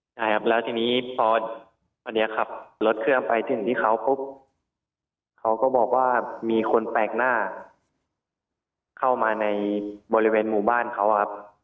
ใช่ครับแล้วทีนี้พอคนนี้ขับรถเครื่องไปถึงที่เขาปุ๊บเขาก็บอกว่ามีคนแปลกหน้าเข้ามาในบริเวณหมู่บ้านเขาครับ